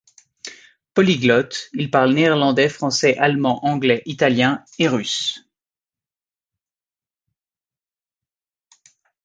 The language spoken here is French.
Polyglotte, Il parle néerlandais, français, allemand, anglais, italien et russe.